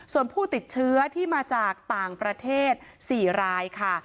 ส่วนผู้ติดเชื้อที่มาจากต่างประเทศ๔รายค่ะ